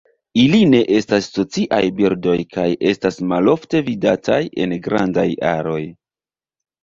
Ili ne estas sociaj birdoj kaj estas malofte vidataj en grandaj aroj.